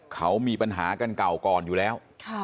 เขามีปัญหากันเก่าก่อนอยู่แล้ว